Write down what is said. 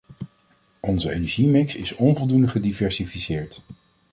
Onze energiemix is onvoldoende gediversifieerd.